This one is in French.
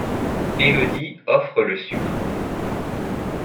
Élodie, offre le sucre.